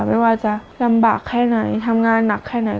ไม่ว่าจะลำบากแค่ไหนทำงานหนักแค่ไหน